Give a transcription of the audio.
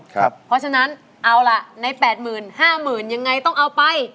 เพราะฉะนั้นเอาล่ะใน๘๕๐๐๐ยังไงต้องเอาไป